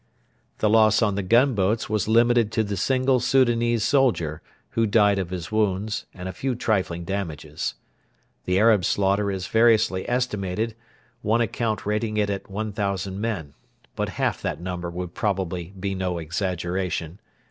The loss on the gunboats was limited to the single Soudanese soldier, who died of his wounds, and a few trifling damages. The Arab slaughter is variously estimated, one account rating it at 1,000 men; but half that number would probably be no exaggeration.